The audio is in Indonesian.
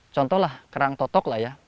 contohlah kerang totok lah ya